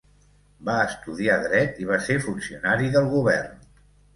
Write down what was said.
Va estudiar dret i va ser funcionari del govern.